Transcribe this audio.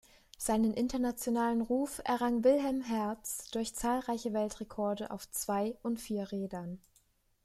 Seinen internationalen Ruf errang Wilhelm Herz durch zahlreiche Weltrekorde auf zwei- und vier Rädern.